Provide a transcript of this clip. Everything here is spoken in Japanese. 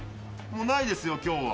もうないですよ、今日は。